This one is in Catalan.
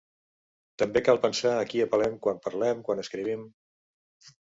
També cal pensar a qui apel·lem quan parlem, quan escrivim.